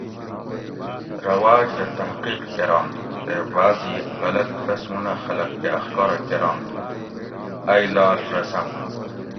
رواج رہ تحقیق کرنت تے بعضی غلط رسمونہ خلق کہ اخکارہ کرنت اُوں ائ لاڷ رسم